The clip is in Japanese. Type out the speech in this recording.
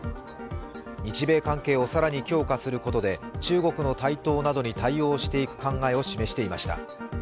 日米関係を更に強化することで中国の台頭などに対応していく考えを示していました。